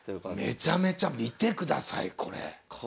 めちゃめちゃ見てくださいこれ。